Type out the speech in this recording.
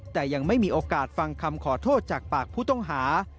แต่ยังไม่มีโอกาสฟังคำขอโทษจากปากผู้ต้องหา